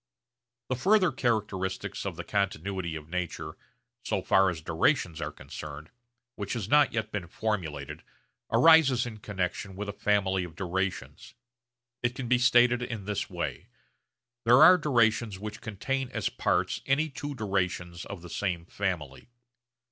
The further characteristics of the continuity of nature so far as durations are concerned which has not yet been formulated arises in connexion with a family of durations. It can be stated in this way: There are durations which contain as parts any two durations of the same family.